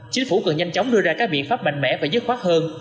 chính phủ cần nhanh chóng đưa ra các biện pháp mạnh mẽ và dứt khoát hơn